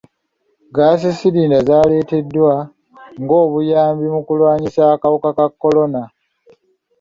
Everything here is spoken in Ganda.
Ggaasi sirinda zaaleeteddwa ng'obuyambi mu kulwanyisa akawuka ka kolona.